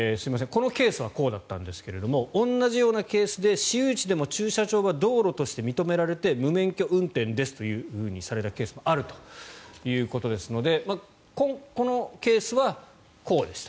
このケースはこうだったんですけれども同じようなケースで私有地でも駐車場は道路として認められて無免許運転ですとされたケースもあるということですのでこのケースはこうでした。